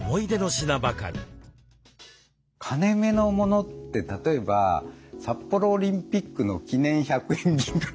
金めの物って例えば札幌オリンピックの記念１００円銀貨とか。